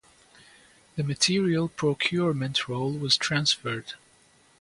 The material procurement role was transferred.